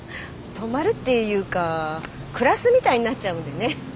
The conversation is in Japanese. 泊まるっていうか暮らすみたいになっちゃうのでね。